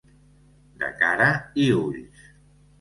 De cara i ulls.